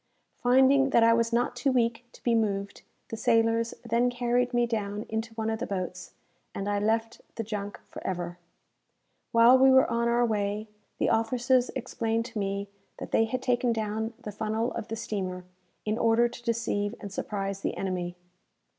Finding that I was not too weak to be moved, the sailors then carried me down into one of the boats, and I left the junk for ever. While we were on our way, the officers explained to me that they had taken down the funnel of the steamer, in order to deceive and surprise the enemy.